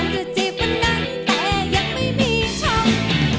จะจีบวันนั้นแต่ยังไม่มีช่อง